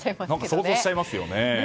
想像しちゃいますよね。